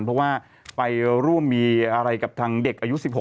เพราะว่าไปร่วมมีอะไรกับทางเด็กอายุ๑๖